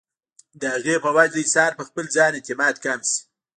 د هغې پۀ وجه د انسان پۀ خپل ځان اعتماد کم شي